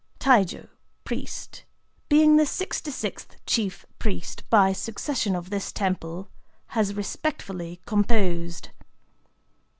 TAIJO, priest,—being the sixty sixth chief priest by succession of this temple,—has respectfully composed.